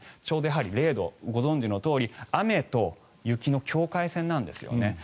ちょうど０度ご存じのとおり雨と雪の境界線なんですよね。